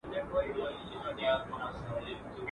ژر سه ووهه زموږ خان ته ملاقونه.